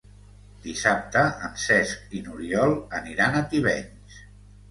Dissabte en Cesc i n'Oriol aniran a Tivenys.